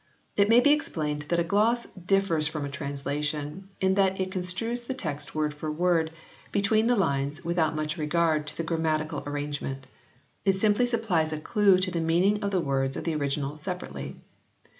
It may be explained that a gloss differs from a translation in that it con strues the text word for word, between the lines, without much regard to the grammatical arrange ment. It simply supplies a clue to the meaning of the words of the original separately.